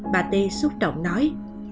bà ti xúc động nói